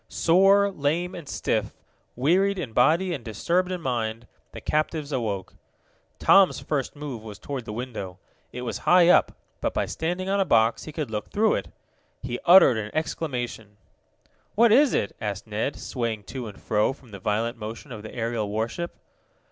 Sore, lame and stiff, wearied in body and disturbed in mind, the captives awoke. Tom's first move was toward the window. It was high up, but, by standing on a box, he could look through it. He uttered an exclamation. "What is it?" asked Ned, swaying to and fro from the violent motion of the aerial warship.